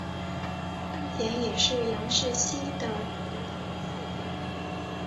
目前也是杨氏蜥的一个次异名。